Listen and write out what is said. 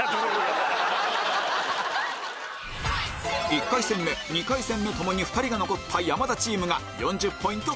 １回戦目２回戦目共に２人が残った山田チームが４０ポイント